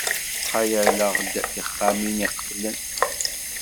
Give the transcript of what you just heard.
Ttxayaleɣ-d tixxamin iqeflen.